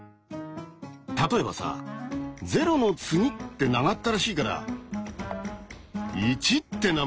例えばさ「０の次」って長ったらしいから「１」って名前付けない？